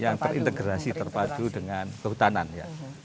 yang terintegrasi terpadu dengan kehutanan ya